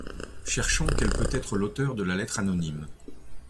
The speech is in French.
Cherchons quel peut être l'auteur de la lettre anonyme.